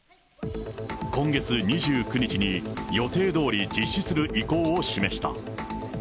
今月２９日に予定どおり実施する意向を示した。